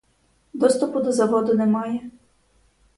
Доступу до заводу немає.